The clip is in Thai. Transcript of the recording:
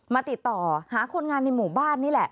ติดต่อหาคนงานในหมู่บ้านนี่แหละ